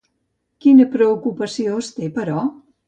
Quina preocupació es té, però?